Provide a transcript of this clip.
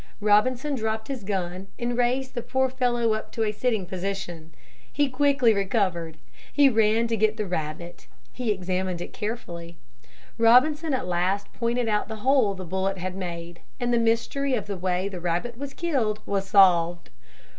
Robinson dropped his gun and raised the poor fellow up to a sitting position. He quickly recovered. He ran to get the rabbit. He examined it carefully. Robinson at last pointed out the hole the bullet had made and the mystery of the way the rabbit was killed was solved.